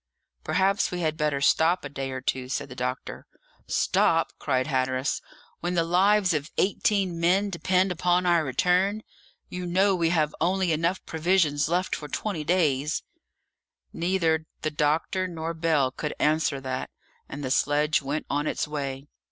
"Perhaps we had better stop a day or two," said the doctor. "Stop!" cried Hatteras, "when the lives of eighteen men depend upon our return! You know we have only enough provisions left for twenty days." Neither the doctor nor Bell could answer that, and the sledge went on its way.